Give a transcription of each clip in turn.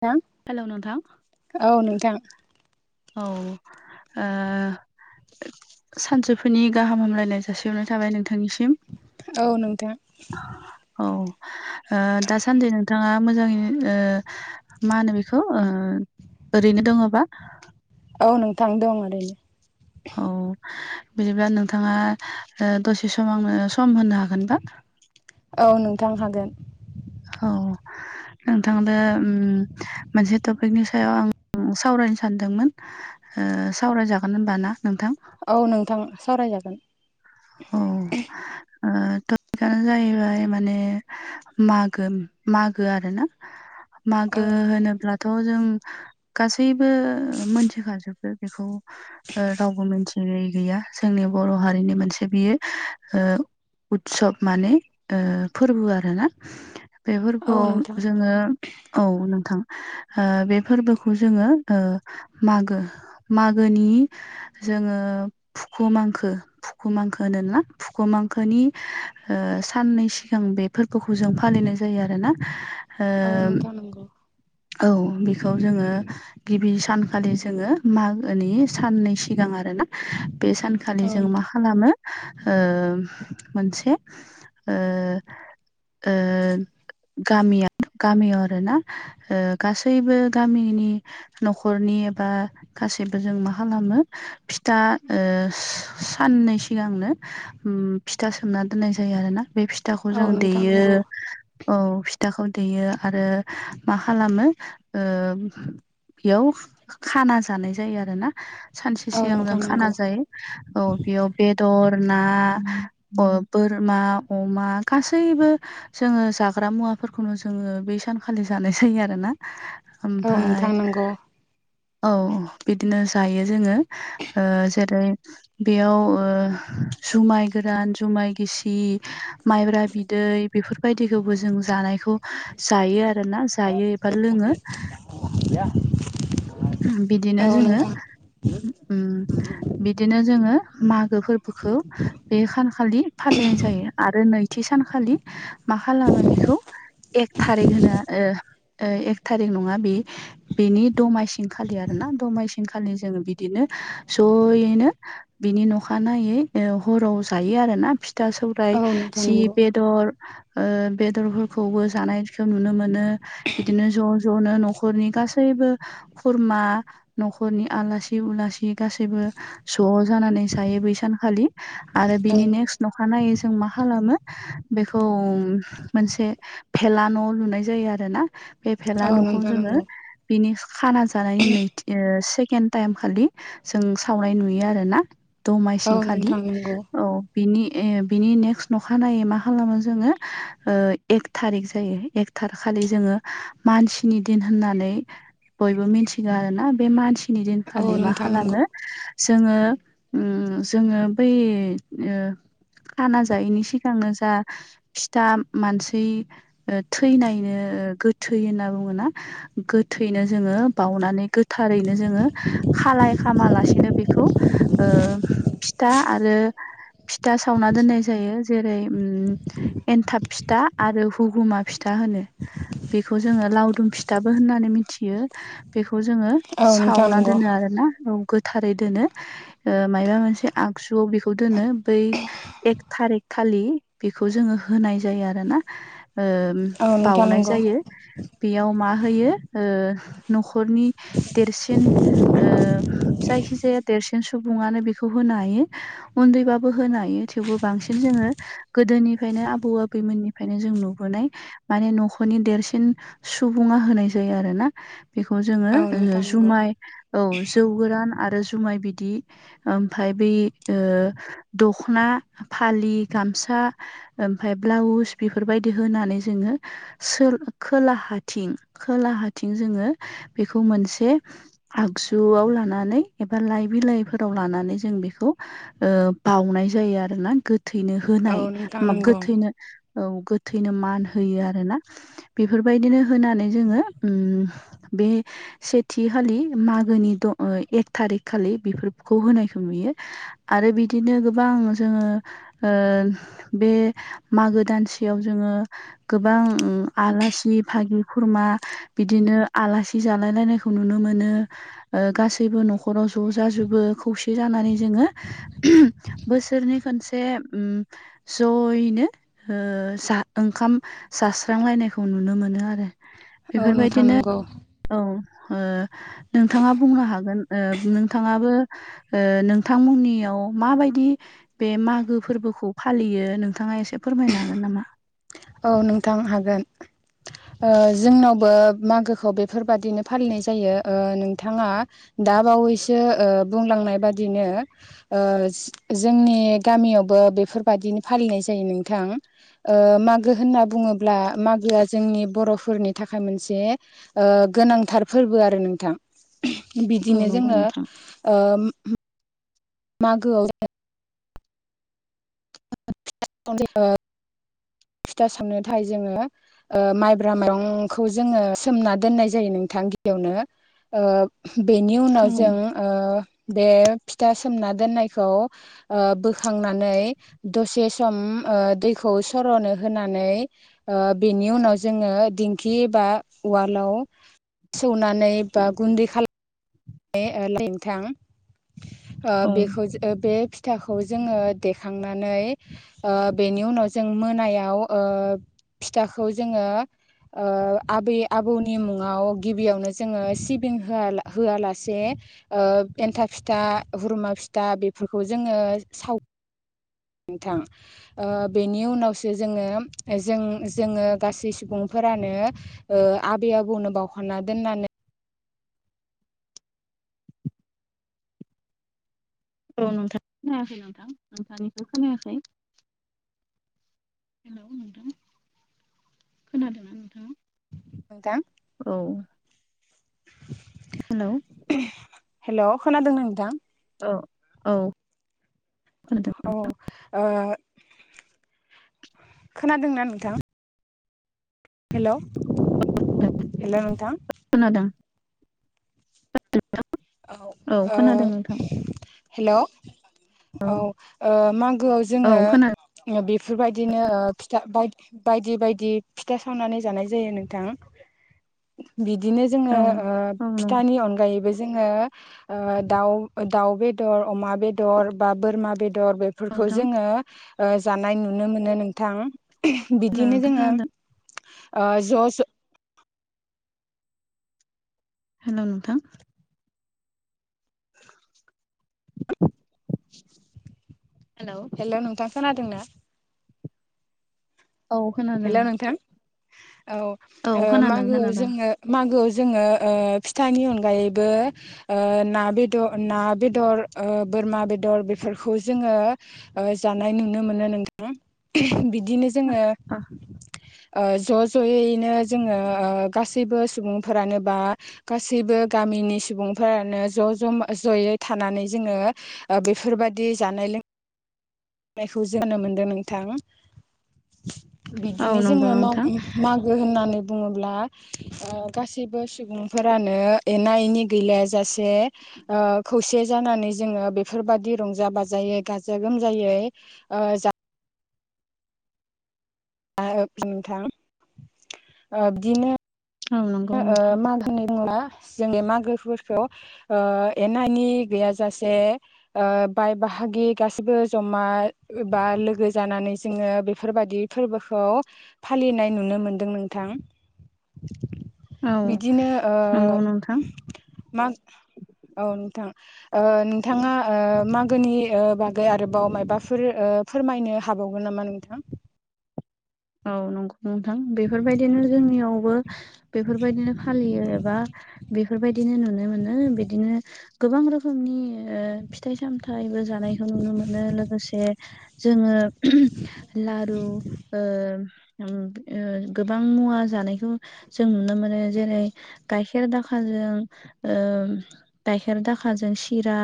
थां हेलौ नोंथां औ नोंथां। औ ओ सानसुफुनि गाहाम हामलायनाय जासेयावनो थाबाय नोंथांनिसि औ नोंथां। औ ओ दासान्दि नोंथाङा मोजाङै ओ मा होनो बेखौ ओ ओरैनो दङबा? औ नोंथांनो दं ओरैनो। औ। बिदिबा नोंथाङा दसे सम आंनो सम होनो हागोनबा? औ नोंथां हागोन। औ नोंथां दा मोनसे टपिकनि सायाव आं सावरायनो सानदोंमोन ओ सावरायजागोन होनबा ना नोंथां? औ नोंथां सावरायजागोन। औ। ओ [unintelligible] आ जायबाय माने मागो मागो आरो ना। औ मागो नोंथां होनोब्लाथ' जों गासैबो मोनथिखाजोबो बेखौ रावबो मोनथियै गैया जोंनि बर' हारिनि मोनसे बेयो ओ उत्सब माने फोरबो आरोना। औ बेफोरखौ नोंथां जोङो औ नोंथां ओ बे फोरबोखौ जोङो ओ मागो मागो नि जोङो फुख' मांखो फु फुखुुमांखो होनोबना फुखुमांखोनि ओ साननै सिगां बे फोरबोखौ जों फालिनाय जायो आरो ना। औ नोंथां नंगौ। औ बेखौ जोङो गिबि सानखालि जोङो मागोनि साननै सिगां आरो ना। बे सानखालि औ जों मा नोंथां खालामो ओ मोनसे ओ ओ गामिया गामियाव आरोना ओ गासैबो गामिनि न'खरनि बा गा सिबो जों मा खालामो फिथा ओ स साननै सिगांनो फिथा सोंना दोननाय जायो आरोना। बे फिथाखौ औ जों नोंथां दैयो नंगौ औ फि थाखौ देयो। आरो मा खालामो ओ बेयाव खाना जानाय जायो आरोना सानसे औ सिगांजों नोंथां खाना नंगौ जायो औ। बेयाव बेदर, ना, बोरमा, अमा गासैबो जोंड़ो जाग्रा मुवाफोरखौनो जोङो बेै सानखालि जानाय जायो आरो ना। औ नोंथां नंगौ। औ बिदिनो जायो जोङो जेरै बेयाव जुमाय गोरान, जुमाय गिसि, माइब्रा बिदै, बेफोरबायदिखौबो जों जानायखौ जायो आरोना जायो एबा लोङो। बिदिनो औ जोङो नोंथां उम बिदिनो जोङो मागो फोरबोखौ बे सानखालि फालि -नाय जायो आरो नैथि सानखालि मा खालामो बेखौ एक थारिख होनो एक थारिख नङा बि बेनि दमासि खालि आरो ना दमायसिनखालि जोङो बिदिनो ज'यैनो बिनि नखा नायै ओ हराव जायो आरोना फि -था सौरायाइ औ नोंथां सि नंगौ बेदर बेदरफोरखौबो जानायखौ नुनो मोनो। बिदिनो ज' -ज'नो न'खरनि गासैबो खुरमा न'खरनि आलासि उलासि गासैबो ज' जानानै जायो बै सानखालि आरो औ बिनि नेक्स्ट नख नायो जों मा खालामो बेखौ मोनसे फेला न' लुनाय जायो आरो ना बे औ फेला न'खौ नोंथां जोङो नंगौ बिनि खाना जानायनि नैथि से सेकेन्ड टाइम खालि जों सावनाय नुयो आरोना औ दमासि खालि नोंथां नंगौ औ। बिनि बिनि नेक्स्ट अखानायै मा खालामो जोङो एक थारिक जायो एक थार खालि जोङो मानसिनि दिन होननानै बयबो मिथि थिगारो आरोना बे मानसिनि औ दिनखालि मा नोंथां नंगौ खालामो जोङो ओ जोङो बै ओ खाना जायैनि सिगांनो दा फिथा मानसि थैनायनो गोथै होनना बुङोना गोथैनो जोङो बावनानै गोथारैनो जोङो खालाय खालामालासेनो बेखौ ओ फिथा आरो फिथा सावना दोननाय जायो जेरै उम एनथाब फिथा आरो हुगुमा फिथा होनो बेखौ जोङो लावदुम फिथाबो होननानै मिथियो। बेखौ जोङो औ नोंथां सावना नंगौ दोनो आरोना औ। गोथारै दोनो ओ मायबा मोनसे आगजुआव बेखौ दोनो बै एक थारिख खालि बेखौ जोङो होनाय जायो आरो ना ओ औ नोंथां बावनाय नंगौ जायो बेयाव मा होयो नखर न'खरनि देरसिन जायखि जाया देरसिन सुबुङानो बेखौ होनो हायो उन्दैबाबो होनो हायो थेवबो बांसिन जोङो गोदोनिफ्रायनो आबौ आबैमोननिफ्रायनो जों नुबोनाय माने न'खरनि देरसिन सुबुङा होनाय जायो आरो ना। बेखौ जोङो औ नोंथां नंगौ जुमाय औ जौ गोरान आरो जुमाय बिदि ओमफाय बै दखना फालि गामसा ओमफाय ब्लाउस बेफोरबायदि होनानै जोङो खोला हाथिं खोलाहााथिं जोङो बेखौ मोनसे आगजुआव लानानै एबा लाइ बिलाइफोराव लानानै जों बेखौ बावनाय जायो आरोना गोथैनो औ होनाय नोंथां मा नंगौ गोथैनो औ गोथैनो मान होयो आरोना बेफोरबायदिनो होनानै जोङो बे सेथि खालि मागोनि द एक थारिक खालि बेफोरखौ होनायखौ नुयो। आरो बिदिनो गोबां जोङो बे मागो दानसे सेयाव जोङो गोबां आलासि भाहागि खुरमा बिदिनो आलासि जालाय लायनायखौ नुनो मोनो गासैबो न'खराव ज' जाजोबो खौसे जाना माने जों बोसोरनि खनसे जयैनो ओ जा-ओंखाम जास्रांलायनायखौ नुनो मोनो आरो। औ नोंथां बेफोरबायदिनो नंगौ। औ ओ नोंथाङा बुंनो हागोन नोंथाङाबो नोंथांमोननियाव माबायदि बे मागो फोरबोखौ फालियो नोंथाङा एसे फोरमायनो हागोन नामा? औ नोंथां हागोन ओ जोंनावबो? मागोखौ बेफोरबादिनो फालिनाय जायो नोंथाङा दा बावैसो बुंलां नाय बादिनो जोंनि गामियावबो बेफोरबायादिनो फालिनाय जायो नों नोंथां ओम मागो होनना बुङोब्ला मागोआ जोंनि बर'फोरनि थाखाय मोनसे गोनांथारफोर फोरबो आरो नोंथां औ बिदिनो नंगौ जोङो नोंथां मागोआव जों [unintelligible] फिथा सावनो थाखाय जोङो माइब्रा माइरंखौ जोङो सोमना दोननाय जायो नोंथां। गिबियावनो बेनि उनाव जों औ ओ बे फिथा सोमना दोननायखौ ओ बोखांनानै दसे सम ओ दैखौ सर'नो होनानै ओ बेनि उनाव जोङो दिंखि बा उवालाव सौनानै बा गुन्दै खालामनानै नोंथां ओ बेखौ जे बे फिथाखौ जोङो देखांनानै ओ बेनि उनाव जों मोनायाव ओ फिथाखौ जोङो ओ आबै आबौनि मुङाव गिबियावनो जोङो सिबिं होआलासे से ओ एन्थाब फिथा हुरमा फिथा बेफोरखौ जोङो साव नोंथां ओ बेनि उनावसो जोङो जों जोङो गासै सुबुंफोर फोरानो ओ आबै आबौनो बावखना दोननानै औ नोंथां खोनायाखै नोंथां नोंथांनिखौ खोनायाखै हेलौ नोंथां खोनादोंना नोंथां नोंथां औ हेलौ हेल' खोनादों ना नोंथां औ औ खोनादों औ ओ खोनादोंना नोंथां हेलौ हेलौ नोंथां [unintelligible] खोनादों औ नोंथां हेल' औ ओ मागोआव औ खोनादों जोङो बेफोरबायदिनो ओ फिथा बायदि बायदि बायदि फिथा सावनानै जानाय जायो नोंथां बिदिनो जोङो औ ओ औ नंगौ फिथानि अनगायैबो जोङो ओ दाउ बेदर अमा बेदर बा बोरमा बेदर बेदर बेफोरखौ नोंथां जोङो ओ जानाय नुनो मोनो नोंथां हेल' बिदिनो नोंथां जोङो खोनादों ओ ज' ज' हेल' नोंथां [unintelligible] हेलौ हेल' नोंथां खोनादोंना औ खोनादों हेल' नोंथां औ औ ओ खोनादों मागोआव खोनादों जोङो मागोआव जोङो ओ फिथानि अनगायैबो ओ ना बेदर ना बेदर ओ बोरमा बेदर बेफोरखौ जोङो ओ जानाय नुनो मोनो नोंथां बिदिनो जोङो आ ओ ज' ज'यैनो जोङो गासैबो सुबुंफोरानो बा गासैबो गामिनि सुबुंफोरानो ज' ज' जयै थानानै जोङो ओ बेफोरबायदि जाना- नायलों नायखौ जोनो मोन्दों नोंथां औ बिदिनो नंगौ जोंङो माग नोंथां मागो होननानै बुङोब्ला ओ गासैबो सुबुंफोरानो एना एनि गैलायाज जासे ओ खौसे जानानै जोंङो बेफोरबादि रंजा बाजायै गाजा गोमजायै ओ जा आ नोंथां ओ बिदिनो औ नंगौ नोंथां [unintelligible] जोंनि मागोफोरखौ ओ एनानि गैयाजासे ओ बाय बाहा गि गासिबो जमा बा लोगो जानानै जोंङो बेफोरबायदि फोरबोखौ फालिनाय नुनो मोनदों नोंथां औ बिदिनो ओ नंगौ नोंथां मा औ नोंथां ओ नोंथाङा ओ मागोनि ओ बागै आरोबाव माबाफोर ओ फोरमायनो हाबा हाबावगोन नामा नोंथां? औ नंगौ नोंथां बेफोरबायदिनो जोंनियावबो बेफोरबायदिनो फालियो एबा बेफोरबायदि बिदिनो नुनो मोनो बिदिनो गोबां रोखोमनि ओ फिथाइ सामथायबो जानायखौ नुनो मोनो लोगोसे जोंङो लारु ओ ओम ओ गोबां मुवा जानायखौ जों नुनो मोनो जेरै- गाइखेर गाइखेर दाखाजों ओ गाइखेर दाखाजों सिरा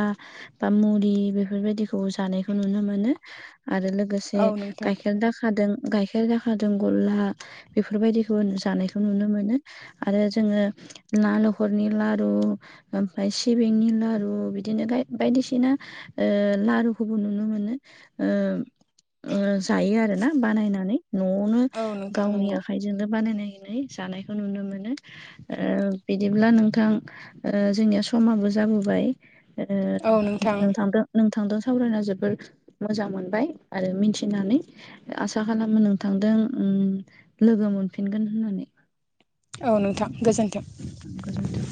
बा मुरि बेफोरबायदिखौ जानायखौ नुनो मोनो आरो लोगोसे औ नोंथां गाइखेर दाखादों गाइखेर दाखाजों गला बेफोरबायदिखौ जानायखौ नुनो मोनो आरो जोंङो नालखरनि लारु ओमफ्राय सिबिंनि लारु बिदिनो बायदिसिना ओ लारुखौबो नुनो मोनो ओ ओ जायो आरो ना बानायनानै न'आवनो औ नोंथां गावनि नंगौ आखाइजोंनो बानायनाय। नै जानायखौ नुनो मोनो ओ बिदिब्ला नोंथां ओ जोंनिआ समबो जाबोबा ओ औ नोंथां नोंथांदो थांदों सावरायना जोबोर मोजां मोनबाय आरो मिथिनानै आसा खालामो नोंथांदों लोगो मोनफिनगोन होननानै। औ नोंथां गोजोन्थों गोजोन्थों